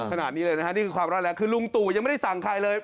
ขนาดนี้เลยนะฮะนี่คือความร้อนแรงคือลุงตู่ยังไม่ได้สั่งใครเลย